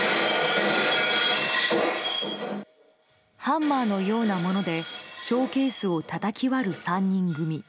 ハンマーのようなものでショーケースをたたき割る３人組。